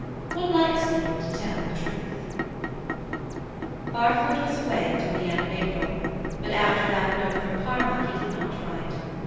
One likes people to tell the truth." Barfoot was away until the end of April, but after that note from Parma he did not write.